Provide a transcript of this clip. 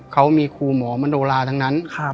เขามีครูหมอมโนราทั้งนั้น